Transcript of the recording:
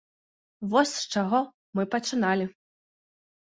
Вось з чаго мы пачыналі.